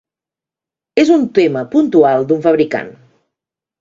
És un tema puntual d’un fabricant.